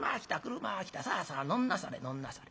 さあさあ乗んなされ乗んなされ」。